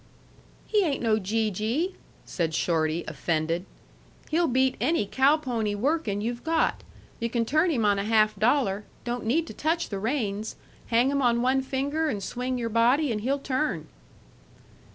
"He ain't no gee gee," said Shorty, offended. "He'll beat any cow pony workin' you've got. Yu' can turn him on a half dollar. Don't need to touch the reins. Hang 'em on one finger and swing your body, and he'll turn."